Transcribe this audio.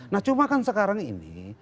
nah cuma kan sekarang ini